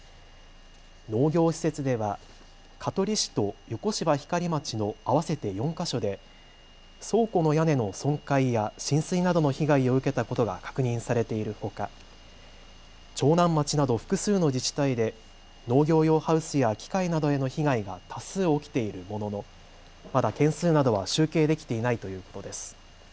農業施設では香取市と横芝光町の合わせて４か所で倉庫の屋根の損壊や浸水などの被害を受けたことが確認されているほか、長南町など複数の自治体で農業用ハウスや機械などへの被害が多数起きているもののまだ件数などは集計できていないということです。